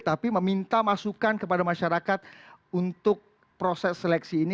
tapi meminta masukan kepada masyarakat untuk proses seleksi ini